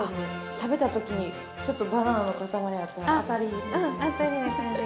食べた時にちょっとバナナの塊あったら当たりな感じ。